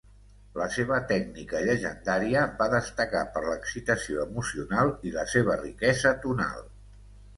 La seva tècnica llegendària va destacar per l'excitació emocional i la seva riquesa tonal.